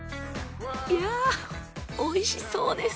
いやぁ美味しそうです。